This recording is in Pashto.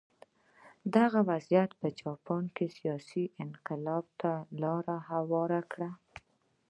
دغه وضعیت په جاپان کې سیاسي انقلاب ته لار هواره کړه.